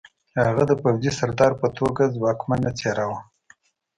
هغه د پوځي سردار په توګه ځواکمنه څېره وه